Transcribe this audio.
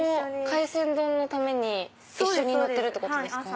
海鮮丼のために一緒に乗ってるってことですか？